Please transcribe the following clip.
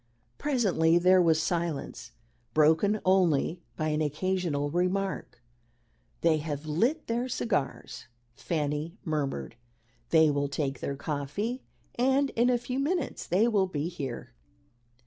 Presently there was silence, broken only by an occasional remark. "They have lit their cigars," Fanny murmured; "they will take their coffee, and in a few minutes they will be here."